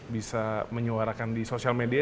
bisa menyuarakan di sosial media